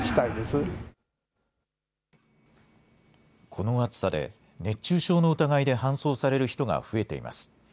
この暑さで熱中症の疑いで搬送される人が増えています。